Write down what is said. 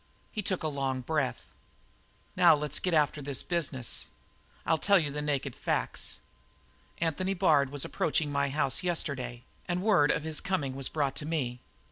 He took a long breath. "Now, then, let's get after this business. I'll tell you the naked facts. Anthony Bard was approaching my house yesterday and word of his coming was brought to me.